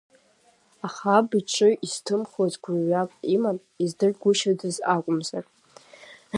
Аха аб иҿы изҭымхуаз гәрҩак иман, издыргәышьодаз акәымзар!